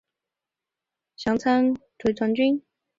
详参集团军。